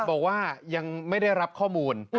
บอกว่ายังไม่ได้รับข้อมูล